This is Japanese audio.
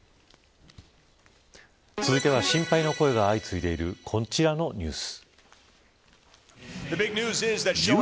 続いては心配の声が相次いでいるこちらのニュース。